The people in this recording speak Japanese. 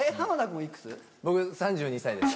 僕３２歳です。